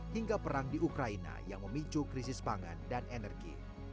hingga perang di ukraina yang memicu krisis pangan dan energi